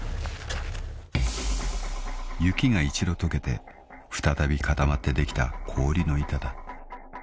［雪が一度解けて再び固まってできた氷の板だ］